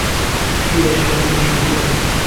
ژیره شهرمنه شیرینه